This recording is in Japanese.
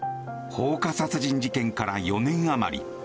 放火殺人事件から４年あまり。